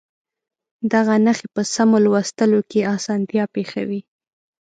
دغه نښې په سمو لوستلو کې اسانتیا پېښوي.